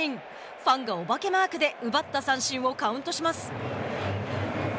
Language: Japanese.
ファンが、お化けマークで奪った三振をカウントします。